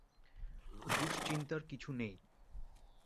দুশ্চিন্তার কিছু নেই।